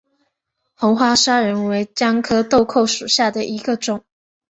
红花砂仁为姜科豆蔻属下的一个种。